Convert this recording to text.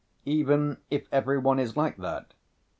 "Even if every one is like that?"